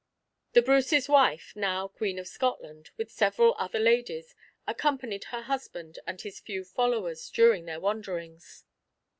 The Bruce's wife, now Queen of Scotland, with several other ladies, accompanied her husband and his few followers during their wanderings.